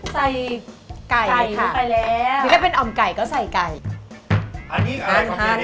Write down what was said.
ใส่ไก่ค่ะใส่ไก่ไปแล้วถ้าเป็นอ่อมไก่ก็ใส่ไก่อันนี้อะไรอันนี้อันนี้